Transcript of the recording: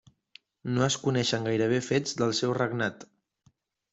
No es coneixen gairebé fets del seu regnat.